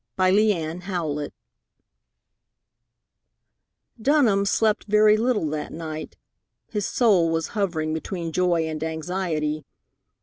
X Dunham slept very little that night. His soul was hovering between joy and anxiety.